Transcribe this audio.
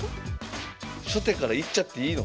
初手からいっちゃっていいの？